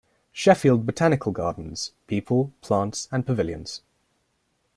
Sheffield Botanical Gardens: People, Plants and Pavilions.